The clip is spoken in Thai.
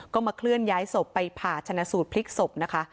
ก็มาเคลื่อนย้ายศพไปผ่าชนะสูตรพลิกศพนะคะ